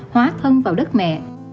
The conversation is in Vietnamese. hóa thân vào đất mẹ